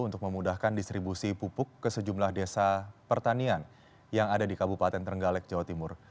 untuk memudahkan distribusi pupuk ke sejumlah desa pertanian yang ada di kabupaten trenggalek jawa timur